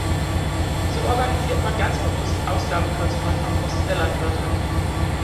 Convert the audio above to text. So organisiert man ganz bewusst Ausgabenkürzungen auf Kosten der Landwirte.